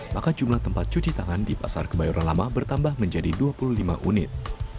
maka jumlah tempat cuci tangan di pasar kebayoran lama bertambah menjadi dua puluh lima unit